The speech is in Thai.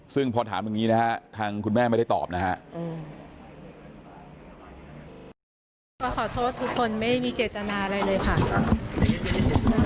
ซึ่งพอถามอย่างนี้นะฮะทางคุณแม่ไม่ได้ตอบนะฮะ